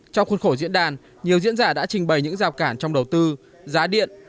trong khuôn khổ diễn đàn nhiều diễn giả đã trình bày những rào cản trong đầu tư giá điện